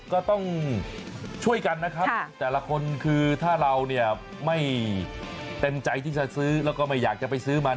ก็ต้องช่วยกันนะครับแต่ละคนคือถ้าเราเนี่ยไม่เต็มใจที่จะซื้อแล้วก็ไม่อยากจะไปซื้อมัน